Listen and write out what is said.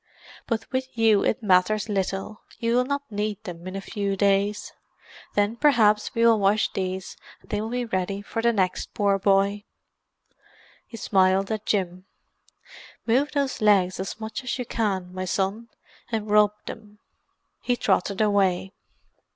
"But with you it matters little; you will not need them in a few days. Then perhaps we will wash these and they will be ready for the next poor boy." He smiled at Jim. "Move those legs as much as you can, my son, and rub them." He trotted away.